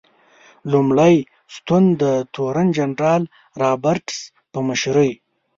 لومړی ستون د تورن جنرال رابرټس په مشرۍ.